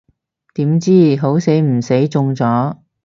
點知好死唔死中咗